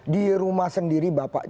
di rumah sendiri bapak